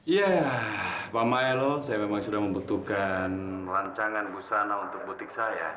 ya pak milo saya memang sudah membutuhkan rancangan busana untuk butik saya